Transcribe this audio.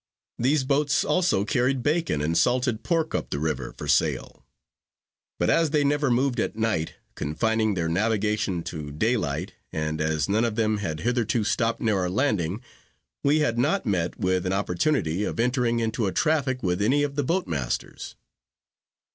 These boats also carried bacon and salted pork up the river, for sale; but as they never moved at night, confining their navigation to day light, and as none of them had hitherto stopped near our landing, we had not met with an opportunity of entering into a traffic with any of the boat masters.